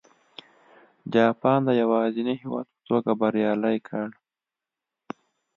جاپان د یوازیني هېواد په توګه بریالی کړ.